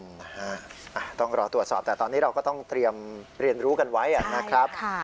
นะฮะต้องรอตรวจสอบแต่ตอนนี้เราก็ต้องเตรียมเรียนรู้กันไว้นะครับ